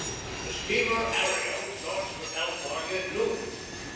The steamer Ariel starts for California at noon.